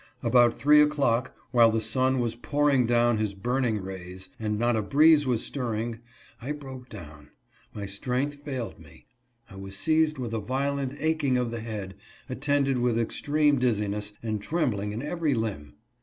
About three o'clock, while the sun was pouring down his burning rays, and not a breeze was stirring, I broke down ; my strength failed me ; I was seized with a violent aching of the head, attended with extreme dizziness, and trembling in every limb.